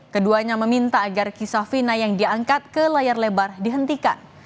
keduanya meminta agar kisah fina yang diangkat ke layar lebar dihentikan